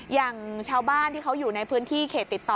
อย่างชาวบ้านที่เขาอยู่ในพื้นที่เขตติดต่อ